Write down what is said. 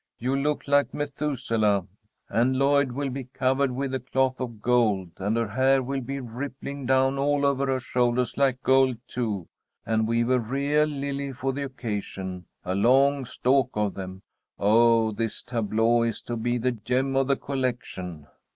You'll look like Methuselah. And Lloyd will be covered with a cloth of gold, and her hair will be rippling down all over her shoulders like gold, too. And we've a real lily for the occasion, a long stalk of them. Oh, this tableau is to be the gem of the collection."